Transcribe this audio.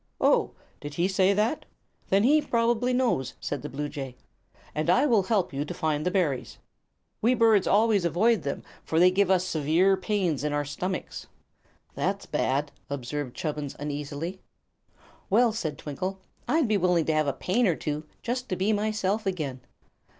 "Oh; did he say that? Then he probably knows," said the bluejay, "and I will help you to find the berries. We birds always avoid them, for they give us severe pains in our stomachs." "That's bad," observed Chubbins, uneasily. "Well," said Twinkle, "I'd be willing to have a pain or two, just to be myself again."